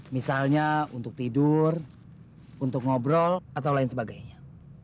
misalnya untuk tidur untuk ngobrol atau lain sebagainya